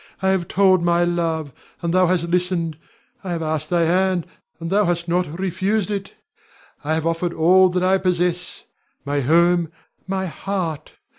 I have told my love, and thou hast listened; I have asked thy hand, and thou hast not refused it. I have offered all that I possess, my home, my heart.